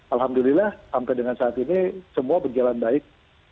alhamdulillah sampai dengan saat ini semua berjalan baik